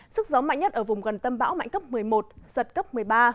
sức gió mạnh nhất ở vùng gần tâm bão mạnh cấp một mươi một giật cấp một mươi ba